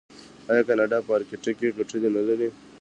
آیا کاناډا په ارکټیک کې ګټې نلري؟